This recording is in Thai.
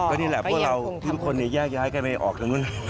ก็นี่แหละพวกเราทุกคนแยกย้ายกันไม่ออกทางนู้น